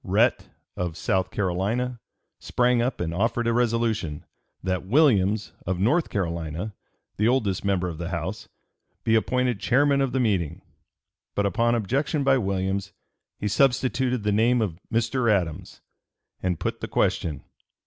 Rhett, of South Carolina, sprang up and offered a resolution, that Williams, of North Carolina, the oldest member of the House, be appointed chairman of the meeting; but upon objection by Williams, he substituted the name of Mr. Adams, and put the question.